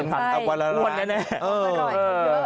อ้าวอ้วนแน่แน่เออเออ